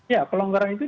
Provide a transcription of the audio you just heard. ya pelonggaran itu